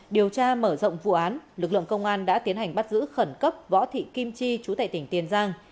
điều tra mở rộng vụ án lực lượng công an đã tiến hành bắt giữ khẩn cấp võ thị kim chi chú tệ tỉnh tiền giang